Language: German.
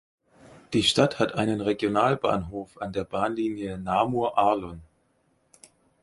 Die Stadt hat einen Regionalbahnhof an der Bahnlinie Namur-Arlon.